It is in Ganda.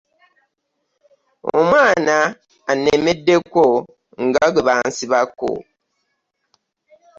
Omwana anemeddeko nga gwe bansibako .